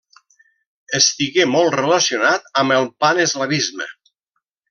Estigué molt relacionat amb el paneslavisme.